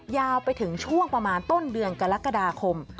ยาวไปถึงช่วงประมาณต้นเดือนกรกฎาคม